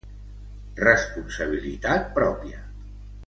Responsabilitat pròpia.